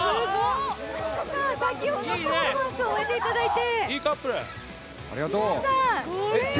先ほどパフォーマンスを終えていただいて。